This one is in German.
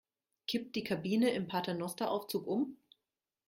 Kippt die Kabine im Paternosteraufzug um?